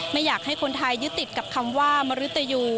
ไม่อยากให้คนไทยยึดติดกับคำว่ามริตยู